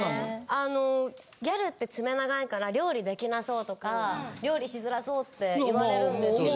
あのギャルって爪長いから料理できなそうとか料理しづらそうって言われるんですけど。